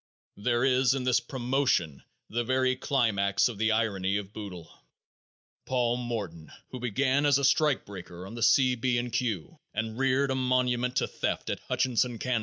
There is in this "promotion" the very climax of the irony of boodle. Paul Morton, who began as a strike breaker on the C. B. & Q., and reared a monument to theft at Hutchinson, Kan.